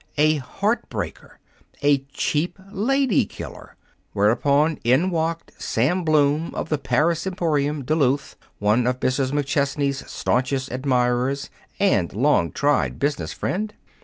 A heart breaker! A cheap lady killer! Whereupon in walked Sam Bloom, of the Paris Emporium, Duluth, one of Mrs. McChesney's stanchest admirers and a long tried business friend.